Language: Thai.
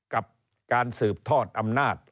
กับการสืบทอดอำนาจ